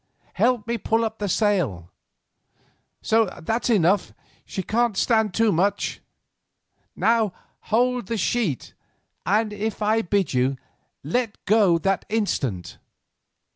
Help me to pull up the sail. So, that's enough; she can't stand too much. Now hold the sheet, and if I bid you, let go that instant.